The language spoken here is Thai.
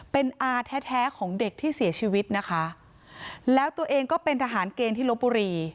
เป็นอาแท้แท้ของเด็กที่เสียชีวิตนะคะแล้วตัวเองก็เป็นทหารเกณฑ์ที่ลบบุรี